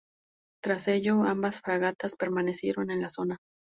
Tras ello, ambas fragatas permanecieron en la zona.